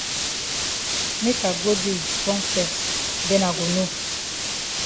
Make I go dey yi strong fes den I go know.